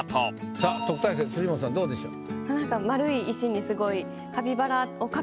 さあ特待生辻元さんどうでしょう？